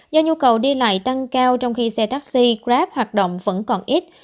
do nhu cầu đi lại tăng cao trong khi xe taxi grab hoạt động vẫn còn ít